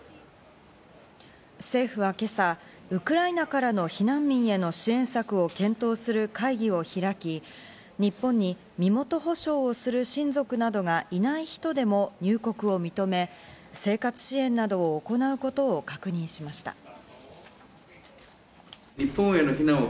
政府は今朝、ウクライナからの避難民への支援策を検討する会議を開き、日本に身元保証をする親族などがいない人でも入国を認め、生活支援などを行うことを確認しました。